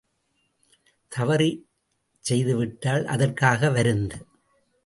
தவறிச் செய்துவிட்டால், அதற்காக வருந்து!